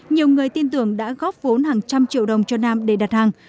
nhiều người tin tưởng đã góp vốn hàng trăm triệu đồng cho nam để đặt hàng